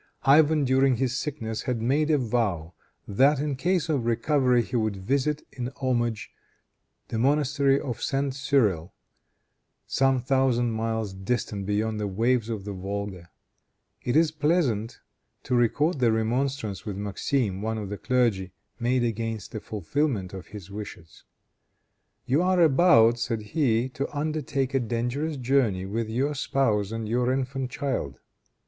Ivan during his sickness had made a vow that, in case of recovery, he would visit, in homage, the monastery of St. Cyrille, some thousand miles distant beyond the waves of the Volga. It is pleasant to record the remonstrance which Maxime, one of the clergy, made against the fulfillment of his wishes. "You are about," said he, "to undertake a dangerous journey with your spouse and your infant child.